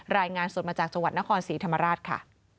รายงานสดมาจากจังหวัดนครศรีธรรมราชค่ะ